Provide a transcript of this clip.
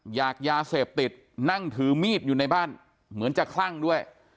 อยากยาเสพติดนั่งถือมีดอยู่ในบ้านเหมือนจะคลั่งด้วย